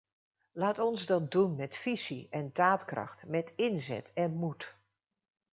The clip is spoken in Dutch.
Laat ons dat doen met visie en daadkracht, met inzet en moed.